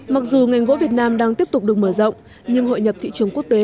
mặc dù ngành gỗ việt nam đang tiếp tục được mở rộng nhưng hội nhập thị trường quốc tế